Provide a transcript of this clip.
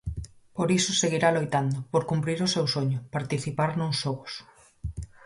Por iso seguirá loitando, por cumprir o seu soño, participar nuns xogos.